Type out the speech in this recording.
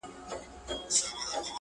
و ماته به د دې وطن د کاڼو ضرورت سي؛